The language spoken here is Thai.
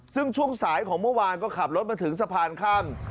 ซึ่งช่วงสายของเมื่อวานก็ขับรถมาถึงสะพานข้าม